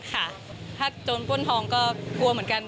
ค่ะถ้าโจรป้นทองก็กลัวเหมือนกัน